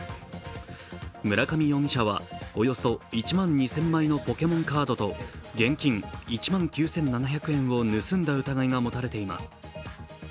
村上容疑者はおよそ１万２０００枚のポケモンカードと現金１万９７００円を盗んだ疑いが持たれています。